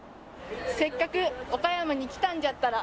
「せっかく岡山に来たんじゃったら」